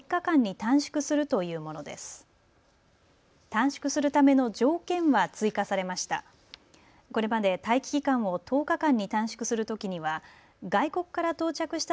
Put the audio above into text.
短縮するための条件は追加されました。